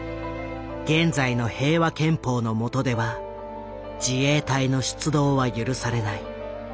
現在の平和憲法の下では自衛隊の出動は許されない。